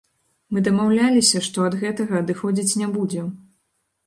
Мы дамаўляліся, што ад гэтага адыходзіць не будзем.